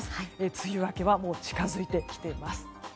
梅雨明けはもう近づいてきています。